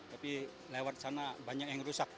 tapi lewat sana banyak yang rusak